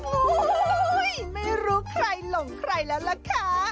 โอ้โหไม่รู้ใครหลงใครแล้วล่ะค่ะ